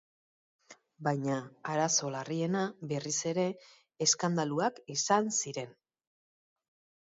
Baina, arazo larriena, berriz ere, eskandaluak izan ziren.